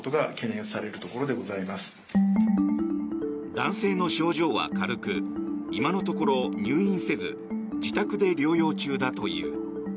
男性の症状は軽く今のところ入院せず自宅で療養中だという。